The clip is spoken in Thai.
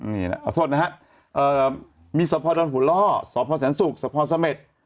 นี่นะอร่อยนะครับมีสอบพอร์ดอนหูล่อสอบพอร์แสนสุกสอบพอร์สะเม็ด